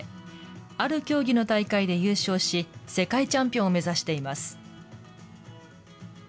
ある競技の大会で優勝し、世界チャンピオンを目指しています。